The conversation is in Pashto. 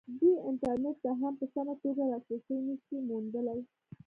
دوی انټرنېټ ته هم په سمه توګه لاسرسی نه شي موندلی.